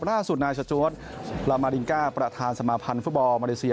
ล่าสุดนายสจวดลามารินก้าประธานสมาพันธ์ฟุตบอลมาเลเซีย